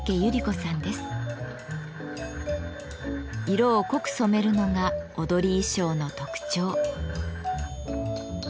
色を濃く染めるのが踊り衣装の特徴。